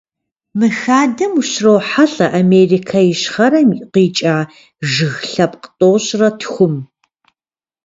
Мы хадэм ущрохьэлӀэ Америкэ Ищхъэрэм къикӀа жыг лъэпкъ тӏощӏрэ тхум.